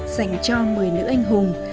dành cho một mươi nữ anh hùng